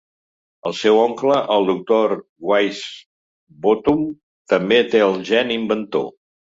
El seu oncle, el doctor Wisebottom, també té el gen inventor.